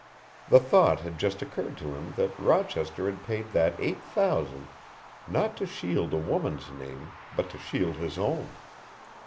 The thought had just occurred to him that Rochester had paid that eight thousand not to shield a woman's name but to shield his own.